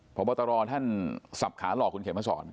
พระบทรท่านสับขาหลอกคุณเขียนมาสอน